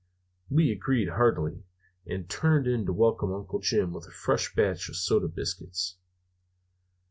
We agreed heartily, and turned in to welcome Uncle Jim with a fresh batch of soda biscuits.